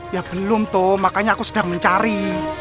ya belum tuh makanya aku sedang mencari